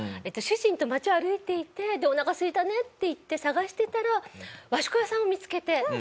主人と街を歩いていておなかすいたねって言って探してたら和食屋さんを見つけて。